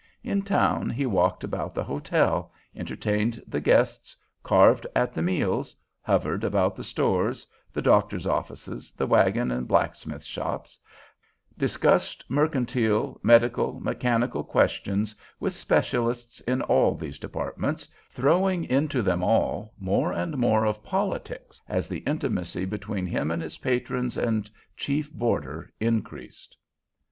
In town he walked about the hotel, entertained the guests, carved at the meals, hovered about the stores, the doctors' offices, the wagon and blacksmith shops, discussed mercantile, medical, mechanical questions with specialists in all these departments, throwing into them all more and more of politics as the intimacy between him and his patron and chief boarder increased.